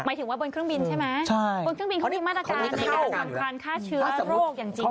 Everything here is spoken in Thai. หมายถึงว่าบนเครื่องบินใช่ไหมบนเครื่องบินบนเครื่องบินมาตรการเนี่ยสำคัญฆ่าเชื้อโรคอย่างจริงจริง